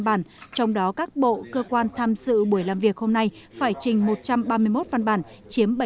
bản trong đó các bộ cơ quan tham dự buổi làm việc hôm nay phải trình một trăm ba mươi một văn bản chiếm bảy mươi